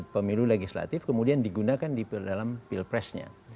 pemilu legislatif kemudian digunakan di dalam pilpresnya